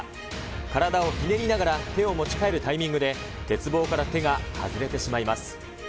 体をひねりながら手を持ち替えるタイミングで鉄棒から手が外れてしまいます。